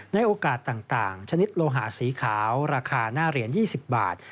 ในโอกาสต่างชนิดโลหะสีขาวราคาหน้าเหรียญ๒๐บาท